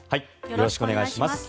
よろしくお願いします。